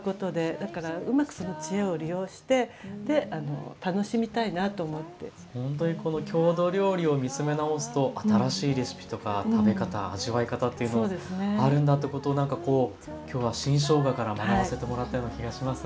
だからほんとにこの郷土料理を見つめ直すと新しいレシピとか食べ方味わい方っていうのあるんだってことなんかこう今日は新しょうがから学ばせてもらったような気がします。